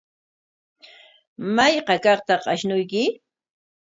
¿Mayqa kaqtaq ashnuyki?